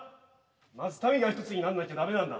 まず民が一つにならないとダメなんだ。